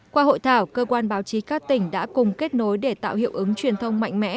qua hội thảo cơ quan báo chí các tỉnh đã cùng kết nối để tạo hiệu ứng truyền thông mạnh mẽ